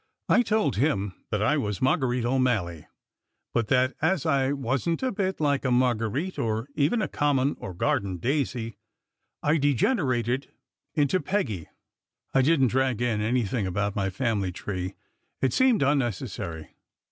I told him that I was Marguerite O Malley, but that, as I wasn t a bit like a marguerite or even a common or garden daisy, I d degenerated into Peggy. I didn t drag in any thing about my family tree; it seemed unnecessary.